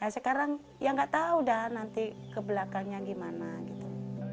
sekarang ya nggak tahu dah nanti kebelakangnya gimana gitu